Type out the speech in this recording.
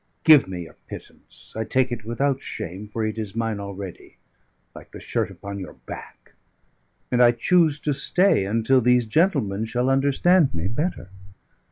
Give me your pittance; I take it without shame, for it is mine already like the shirt upon your back; and I choose to stay until these gentlemen shall understand me better.